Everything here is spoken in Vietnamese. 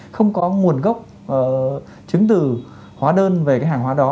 không có nguồn gốc chứng từ hóa đơn về cái hàng hóa đó